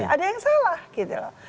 ada yang salah gitu loh